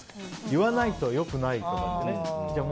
言わないと良くないって。